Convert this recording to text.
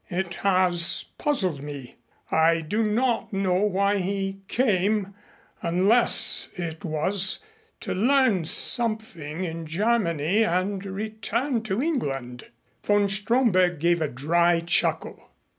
It has puzzled me. I do not know why he came unless it was to learn something in Germany and return to England." Von Stromberg gave a dry chuckle.